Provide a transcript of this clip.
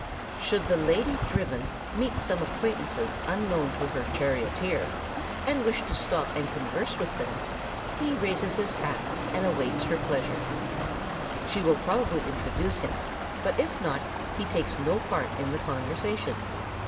Should the lady driven meet some acquaintances unknown to her charioteer, and wish to stop and converse with them, he raises his hat and awaits her pleasure. She will probably introduce him, but if not he takes no part in the conversation.